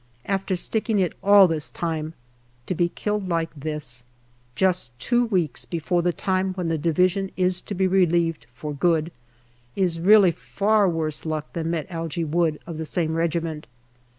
After sticking it all this time to be killed like this, just two weeks before the time when the Division is to be relieved for good, is really far worse luck than met Algy Wood, of the same regiment.